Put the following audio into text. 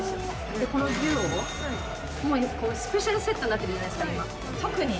でこのＤＵＯもスペシャルセットになってるじゃないですか今特に。